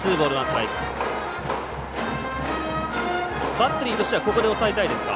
バッテリーとしてはここで抑えたいですか？